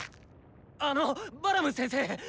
あのっバラム先生！